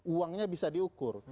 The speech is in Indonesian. uangnya bisa diukur